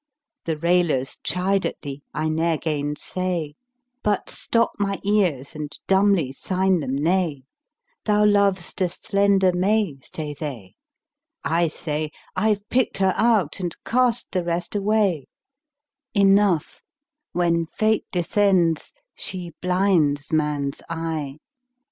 The railers chide at thee: I ne'er gainsay, * But stop my ears and dumbly sign them Nay: 'Thou lov'st a slender may,' say they; I say, * 'I've picked her out and cast the rest away:' Enough; when Fate descends she blinds man's eye!"